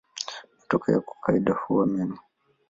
Matokeo kwa kawaida huwa mema.